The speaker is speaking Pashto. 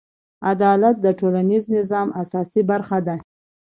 عدالت د ټولنیز نظم اساسي برخه ده.